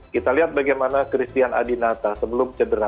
kita lihat bagaimana christian adinata sebelum cedera